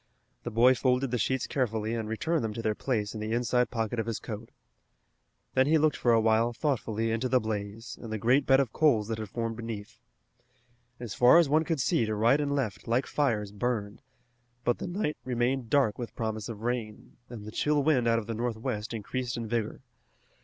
The boy folded the sheets carefully and returned them to their place in the inside pocket of his coat. Then he looked for a while thoughtfully into the blaze and the great bed of coals that had formed beneath. As far as one could see to right and left like fires burned, but the night remained dark with promise of rain, and the chill wind out of the northwest increased in vigor.